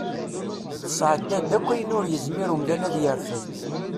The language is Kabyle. Tesɛedda-d akk ayen ur yezmir umdan ad yerfed.